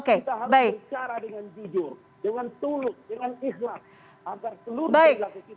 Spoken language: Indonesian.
kita harus bicara dengan jujur dengan tulus dengan ikhlas agar seluruh negara kita bisa berdikari